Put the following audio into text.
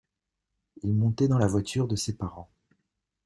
Il montait dans la voiture de ses parents.